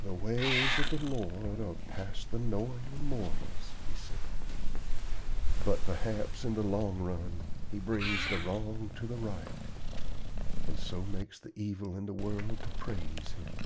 "The ways of the Lord are past the knowing of mortals," he said. "But perhaps in the long run He brings the wrong to the right, and so makes the evil in the world to praise him.